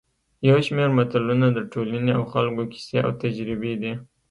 یو شمېر متلونه د ټولنې او خلکو کیسې او تجربې دي